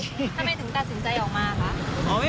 ทำไมถึงตัดสินใจออกมาคะ